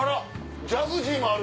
ジャグジーもある！